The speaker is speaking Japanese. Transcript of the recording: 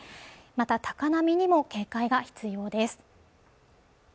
また高波にも警戒が必要です